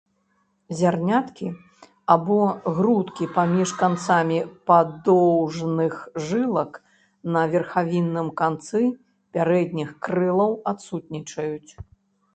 Зярняткі або грудкі паміж канцамі падоўжных жылак на верхавінным канцы пярэдніх крылаў адсутнічаюць.